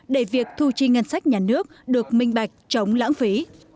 để việc thu chi ngân sách nhà nước được minh bạch chống lãng phí